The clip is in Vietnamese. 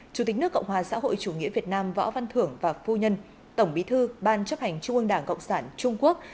chủ tịch nước cộng hòa xã hội chủ nghĩa việt nam võ văn thưởng và phu nhân tổng bí thư ban chấp hành trung ương đảng cộng sản trung quốc